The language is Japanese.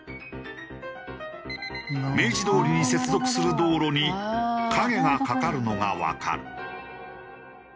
明治通りに接続する道路に影がかかるのがわかる。